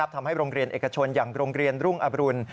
ทำให้โรงเรียนเอกชนอย่างโรงเรียนรุ่งอบรุณ